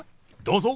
どうぞ。